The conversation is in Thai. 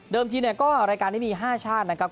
เดิมทีก็รายการที่มี๕ชาตินะครับ